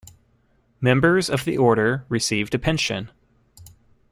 Members of the Order received a pension.